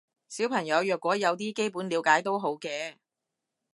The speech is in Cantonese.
小朋友若果有啲基本了解都好嘅